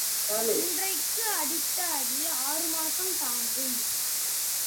அன்றைக்கு அடித்த அடி ஆறு மாசம் தாங்கும்.